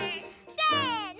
せの。